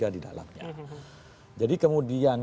di dalamnya jadi kemudian